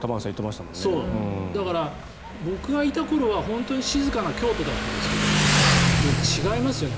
だから、僕がいた頃は本当に静かな京都でしたけど違いますよね。